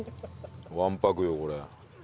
わんぱくよこれ。